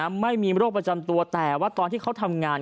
ไม่มีโรคประจำตัวแต่ว่าตอนที่เขาทำงาน